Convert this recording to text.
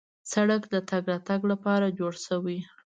سړک د تګ راتګ لپاره جوړ شوی.